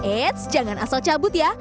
eits jangan asal cabut ya